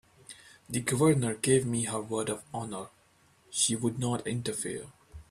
The Governor gave me her word of honor she wouldn't interfere.